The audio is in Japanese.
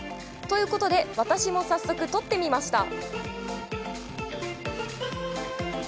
ということで私も早速、撮ってみました。